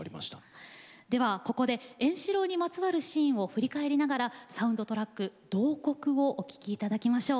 ではここで円四郎にまつわるシーンを振り返りながらサウンドトラック「慟哭」をお聴きいただきましょう。